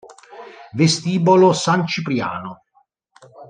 Vestibolo San Cipriano